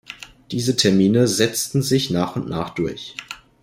Diese Termine setzten sich nach und nach durch.